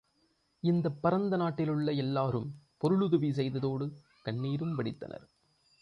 இந்தப் பரந்த நாட்டிலுள்ள எல்லாரும் பொருளுதவி செய்ததோடு கண்ணீரும் வடித்தனர்.